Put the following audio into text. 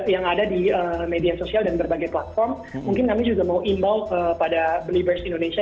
yang ada di media sosial dan berbagai platform mungkin kami juga mau imbau pada beliburst indonesia